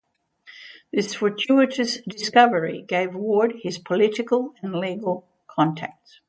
This fortuitous discovery gave Ward his political and legal contacts.